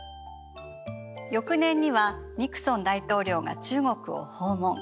翌年にはニクソン大統領が中国を訪問。